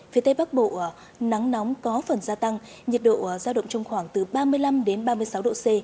phía tây bắc bộ nắng nóng có phần gia tăng nhiệt độ giao động trong khoảng từ ba mươi năm đến ba mươi sáu độ c